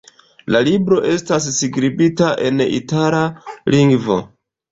La libro estas skribita en itala lingvo.